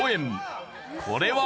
これ。